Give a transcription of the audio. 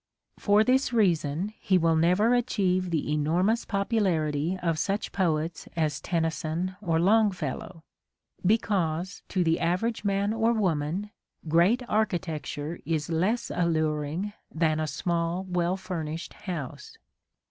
For this reason, he will never achieve the enormous popularity of such poets as Tennyson or Long fellow : because, to the average man or woman, great architecture is less alluring than a small well furnished house.